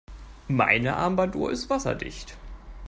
Meine Armbanduhr ist wasserdicht.